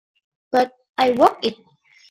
But I work it.